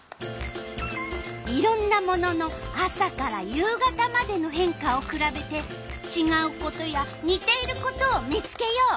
いろんなものの朝から夕方までの変化をくらべてちがうことやにていることを見つけよう。